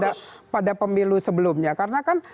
tidak pada pemilu sebelumnya karena kan